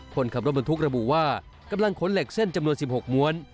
คนขับรถบรรทุกระบุว่ากำลังขนเหล็กเส้นจำนวน๑๖ม้วน